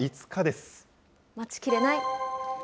待ちきれない。